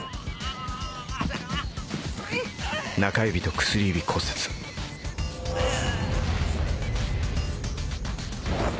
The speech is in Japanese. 中指と薬指骨折あぁ！